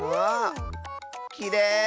きれい。